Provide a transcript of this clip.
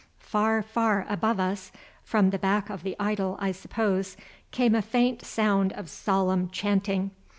Far, far above us, from the back of the idol I suppose, came a faint sound of solemn chanting.